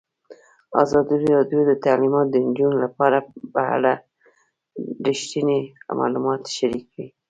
ازادي راډیو د تعلیمات د نجونو لپاره په اړه رښتیني معلومات شریک کړي.